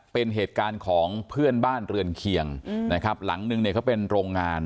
เป็นเหตุการณ์ของเพื่อนบ้านเรือนเคียงนะครับหลังนึงเนี่ยเขาเป็นโรงงาน